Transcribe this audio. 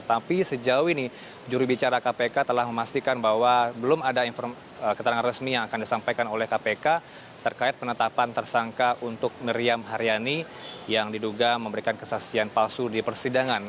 tapi sejauh ini jurubicara kpk telah memastikan bahwa belum ada keterangan resmi yang akan disampaikan oleh kpk terkait penetapan tersangka untuk meriam haryani yang diduga memberikan kesaksian palsu di persidangan